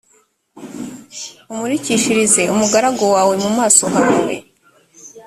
umurikishirize umugaragu wawe mu maso hawe